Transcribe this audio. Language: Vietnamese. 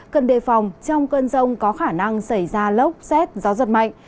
cần đề phòng trong cơn rông có khả năng xảy ra lốc xét gió giật mạnh